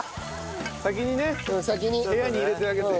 先にね部屋に入れてあげて。